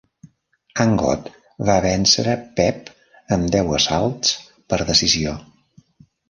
Angott va vèncer Pep amb deu assalts, per decisió.